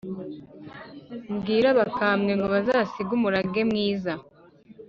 mbwire abakambwe ngo bazasige umurage mwiza!